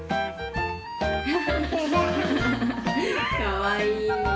かわいい。